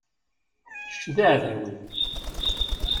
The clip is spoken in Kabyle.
Kečč d aεdaw-iw.